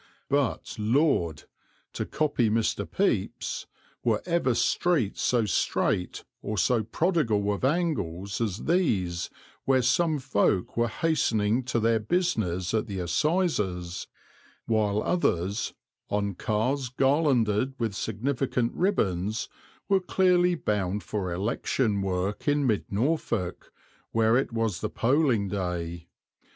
But, Lord! to copy Mr. Pepys were ever streets so strait or so prodigal of angles as these where some folk were hastening to their business at the assizes, while others, on cars garlanded with significant ribbons, were clearly bound for election work in Mid Norfolk, where it was the polling day.